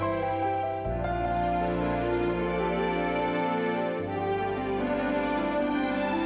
kami percaya sama kakak